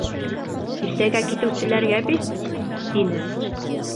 Иртәгә китеүселәргә бит, — тине.